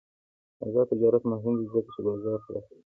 آزاد تجارت مهم دی ځکه چې بازار پراخوي.